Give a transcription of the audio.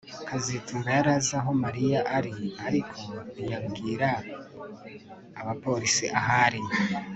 kazitunga yari azi aho Mariya ari ariko ntiyabwira abapolisi aho ari